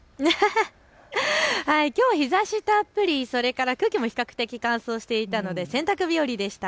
きょう日ざしたっぷり、それから空気も比較的、乾燥していたので洗濯日和でした。